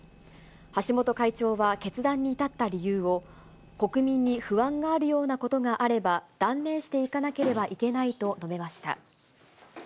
橋本会長は決断に至った理由を、国民に不安があるようなことがあれば、断念していかなければいけないと述べました。